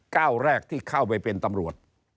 ก้าวแรกที่เข้าไปเป็นตำรวจ